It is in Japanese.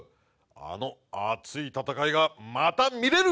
あの熱い戦いがまた見れる！